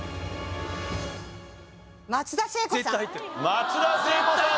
松田聖子さん